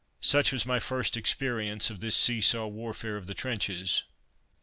Such was my first experience of this see saw warfare of the trenches.